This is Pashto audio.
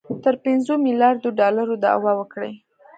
تر پنځو میلیاردو ډالرو دعوه وکړي